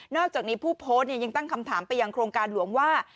อกจากนี้ผู้โพสต์ยังตั้งคำถามไปยังโครงการหลวงว่า